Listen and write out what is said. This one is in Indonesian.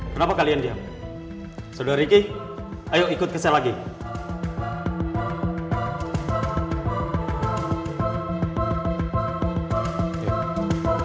kenapa kalian diam